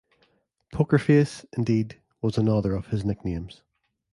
"Poker Face", indeed, was another of his nicknames.